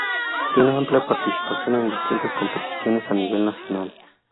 Tiene amplia participación en distintas competiciones a nivel nacional.